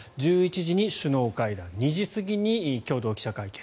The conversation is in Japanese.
１１時に首脳会談２時過ぎに共同記者会見。